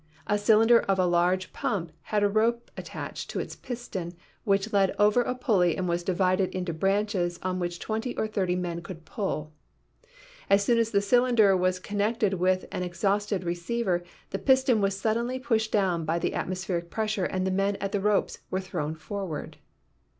"A cylinder of a large pump had a rope attached to its piston, which led over a pulley and was divided into branches on which twenty or thirty men could pull. As soon as the cylinder was con nected with an exhausted receiver the piston was suddenly pushed down by the atmospheric pressure and the men at the ropes were thrown forward."